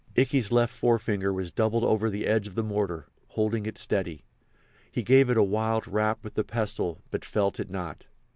Ikey's left forefinger was doubled over the edge of the mortar, holding it steady. He gave it a wild rap with the pestle, but felt it not.